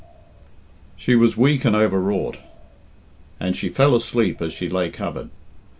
She was weak and over wrought, and she fell asleep as she lay covered.